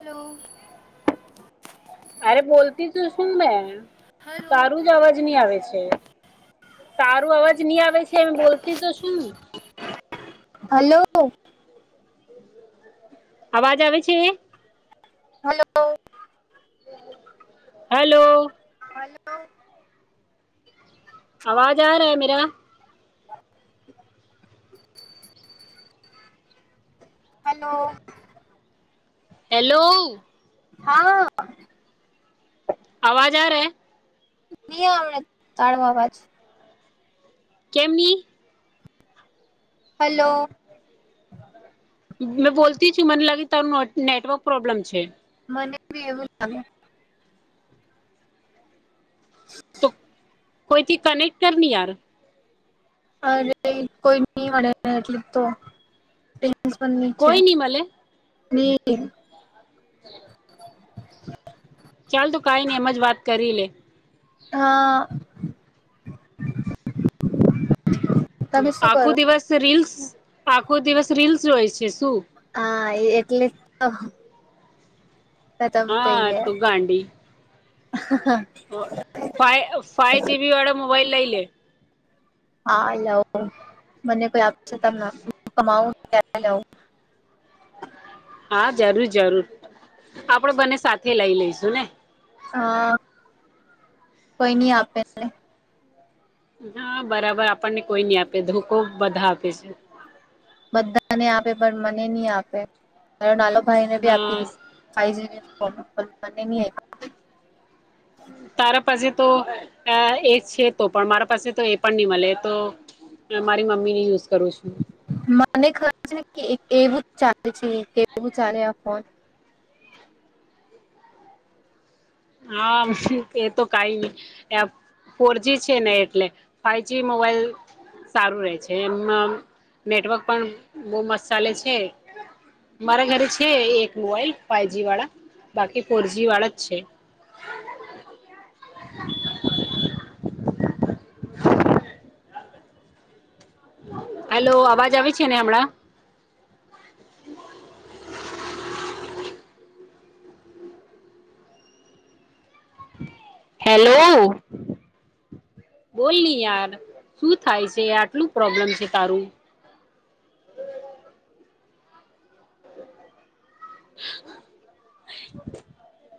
Hello અરે બોલતી તું શું ને હલો તારું જ અવાજ નહી આવે છે તારું અવાજ નહી આવે છે એમ બોલતી તો શું હલો અવાજ આવે છે? હલો હલો હલો આવાજ આ રહા હે મેરા [inaudible] હલો હેલો હા આવાજ આવે નહીડ તાળવાવાજ કેમની હલો મેં બોલતી છું મને લાગે તારું નેટવર્ક પ્રોબ્લેમ છે. મને બી એવું લાગે તો કોઈથી કનેક્ટ કરની યાર અરે કોઈ નહી મળે એટલે તો [unintelligible] છે કોઈ નહી મળે ને હ ચાલ તું કઈ નઈ એમ જ વાત કરી લે હા. તમે શું આખો કરો દિવસ રીલ્સ આખો દિવસ રીલ્સ હોય છે શું? હા એ એટલે તો. ખતમ થઈ હા ગઈ તો ગાંડી [unintelligible] ફા ફાવ જી વાડ મોબાઈલ લઈ લલે હા લવ મને કોઈ આપ ત કમાવું ત્યારે લઉ હા જરૂર જરૂર આપડે બને સાથે લઈ લઈશું ને. હા કોઈ નહી આપે હા બરાબર આપણને કોઈ નઈ આપે ધોકો બધા આપે છે. બધાને આપે પણ મને નહ આપે મારો નાનો ભાઈને ભી હા આપી દીધો ફાઈીબ [unintelligible] તારા પાસે તો એ છે તો પણ મારા પાસે તો એ પણ નહી મળે તો મારી મમ્મી ને યુઝ કરું છું. મને ખબર છે કે એવું ચાલે છે એવું ચાલે આ ફોન હા એ તો કઈ ફોરજી છે ને એટલે ફાઈવ જ મોબાઈલ સારું રહે છે એમમાં નેટવર્ક પણ બહુ મસ્ત ચાલે છે. મારા ઘરે છે એક મોબાઈલ ફાઈવ જી વાળા બાકી ફોરજી વાળા જ છે. [inaudible] [inaudible] હેલો અવાજ આવે છે ને હમણાં હેલો બોલ નની યાર શું થાય છે આટલું પ્રોબ્લેમ છે તારું. [inaudible]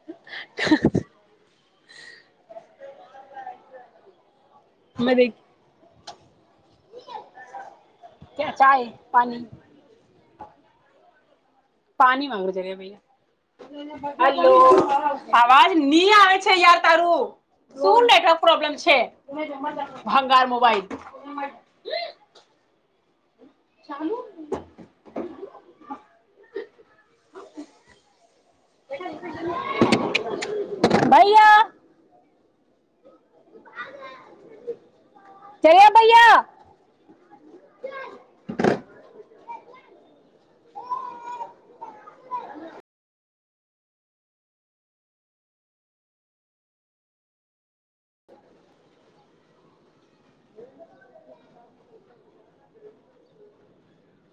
[inaudible] અરે ક ચાય પાણી પાણી વામાંગડ છે રહ્યા ભૈયા હ આવાજ ની આવે છે યાર તારું શું નેટવર્ક પ્રોબ્લેમ છે ભંગાર મોબાઈલ ચાલું ભૈયા ચલે્યા ભૈયા [unintelligible]